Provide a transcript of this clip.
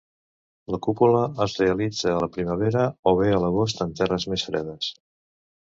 La còpula es realitza a la primavera, o bé a l'agost en terres més fredes.